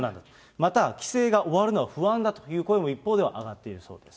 また規制が終わるのが不安だという声も一方では上がっているそう